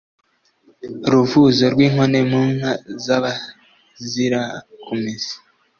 Ruvuzo rw'inkone mu nka z'Abazirakumesa